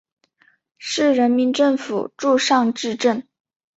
市人民政府驻尚志镇。